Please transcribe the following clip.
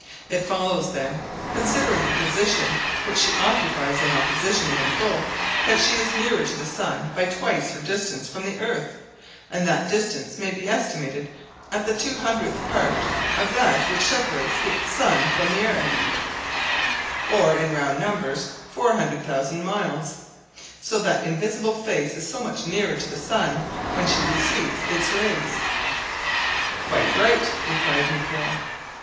It follows, then, considering the position which she occupies in opposition when full, that she is nearer to the sun by twice her distance from the earth; and that distance may be estimated at the two hundredth part of that which separates the sun from the earth, or in round numbers 400,000 miles. So that invisible face is so much nearer to the sun when she receives its rays." "Quite right," replied Nicholl.